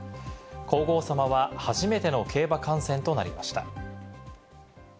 皇后さまは初めての競馬観戦となりました。